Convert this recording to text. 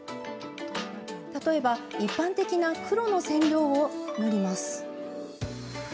例えば、一般的な黒の染料を塗ります。